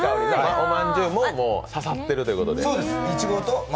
おまんじゅうも刺さっているという。